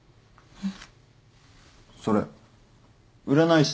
えっ？